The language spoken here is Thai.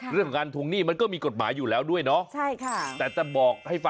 เรื่องของการทวงหนี้มันก็มีกฎหมายอยู่แล้วด้วยเนาะ